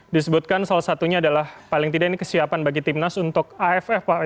disebutkan salah satunya adalah paling tidak ini kesiapan bagi timnas untuk aff